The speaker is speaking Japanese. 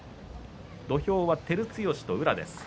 土俵は照強と宇良です。